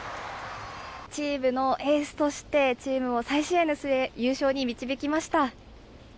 チームのエースとして、チームを再試合の末、優勝に導きました。